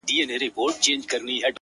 اوس له خپل ځان څخه پردى يمه زه؛